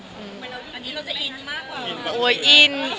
อันนี้เราจะอินมากกว่าอิน